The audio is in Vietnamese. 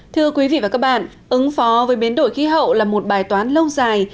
thưa quý vị và các bạn ứng phó với biến đổi khí hậu là một bài toán lâu dài